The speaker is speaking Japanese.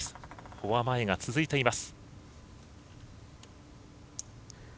フォア前が続いています。